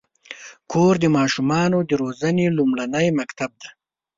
کور د ماشومانو د روزنې لومړنی مکتب دی.